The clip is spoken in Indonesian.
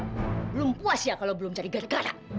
belum puas ya kalau belum jadi gada gada